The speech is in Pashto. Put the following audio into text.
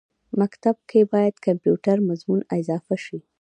مکتب کښې باید کمپیوټر مضمون اضافه شي